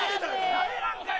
ダメなんかい